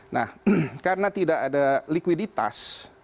nah karena tidak ada likuiditas